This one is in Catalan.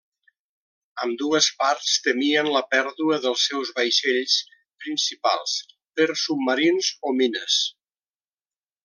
Ambdues parts temien la pèrdua dels seus vaixells principals per submarins o mines.